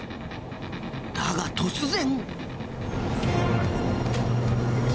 だが突然。